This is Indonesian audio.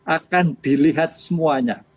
akan dilihat semuanya